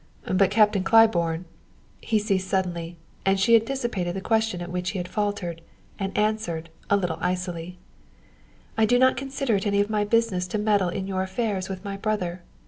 "But Captain Claiborne " He ceased suddenly and she anticipated the question at which he had faltered, and answered, a little icily: "I do not consider it any of my business to meddle in your affairs with my brother.